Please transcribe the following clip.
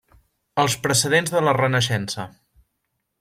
Els precedents de la Renaixença.